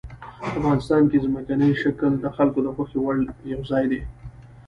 افغانستان کې ځمکنی شکل د خلکو د خوښې وړ یو ځای دی.